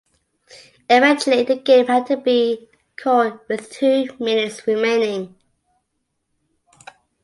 Eventually the game had to be called with two minutes remaining.